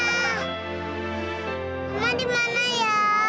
mama dimana ya